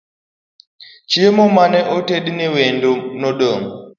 Chiemo mane otedne wendo nodong'